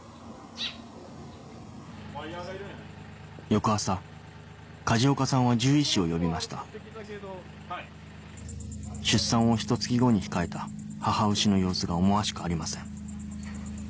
翌朝梶岡さんは獣医師を呼びました出産をひと月後に控えた母牛の様子が思わしくありません